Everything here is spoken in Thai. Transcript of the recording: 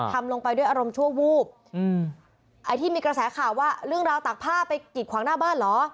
ทำลงไปด้วยอารมณ์ชั่ววูบอืมไอ้ที่มีกระแสข่าวว่าเรื่องราวตากผ้าไปกิดขวางหน้าบ้านเหรอ